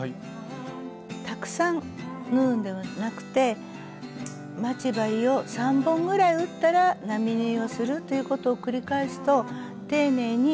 たくさん縫うんではなくて待ち針を３本ぐらい打ったら並縫いをするということを繰り返すと丁寧に縫っていきます。